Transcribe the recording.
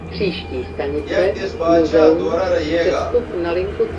یک دیس باچھا دورہ رے یے گا